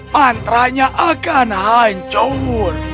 mantra akan hancur